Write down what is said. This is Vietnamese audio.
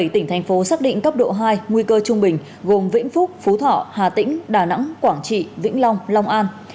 bảy tỉnh thành phố xác định cấp độ hai nguy cơ trung bình gồm vĩnh phúc phú thọ hà tĩnh đà nẵng quảng trị vĩnh long long an